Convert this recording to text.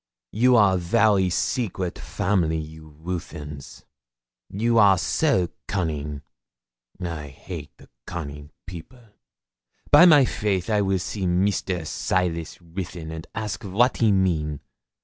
'You are a very secrete family, you Ruthyns you are so coning. I hate the coning people. By my faith, I weel see Mr. Silas Ruthyn, and ask wat he mean.